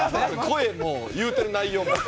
声も言うてる内容も。